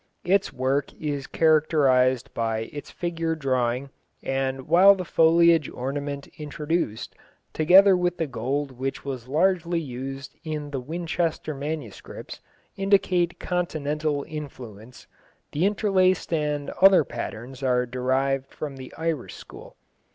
Its work is characterised by its figure drawing, and while the foliage ornament introduced, together with the gold which was largely used in the Winchester manuscripts, indicate continental influence, the interlaced and other patterns are derived from the Irish school.